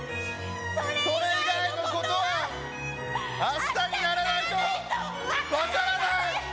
それ以外のことは明日にならないと分からない。